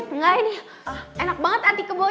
enggak ini enak banget hati kebonyik